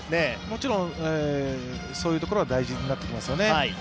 もちろん、そういうところは大事になってきますよね。